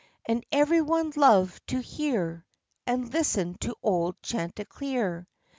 And every one loved to hear And listen to old Chanticleer.